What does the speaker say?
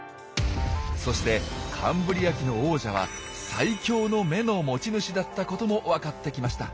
そしてカンブリア紀の王者は「最強の眼」の持ち主だったことも分かってきました。